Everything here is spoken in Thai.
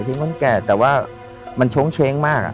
เสียงคนแก่แต่ว่ามันชงเชงมาก